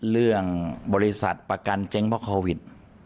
เรื่องบริษัทประกันเจ๊งเพราะโควิด